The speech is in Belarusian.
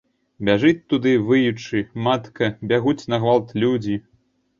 Бяжыць туды, выючы, матка, бягуць на гвалт людзі.